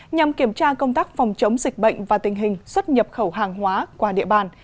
nhằm kiểm tra công tác phòng chống dịch bệnh và tình hình xuất nhập khẩu hàng hóa qua địa bàn